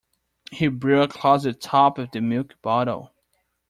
He blew across the top of the milk bottle